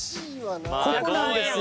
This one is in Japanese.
ここなんですよ。